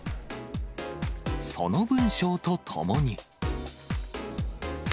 その文章と共に。